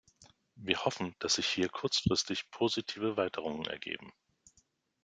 Wir hoffen, dass sich hier kurzfristig positive Weiterungen ergeben.